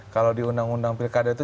kalau di undang undang pilkada itu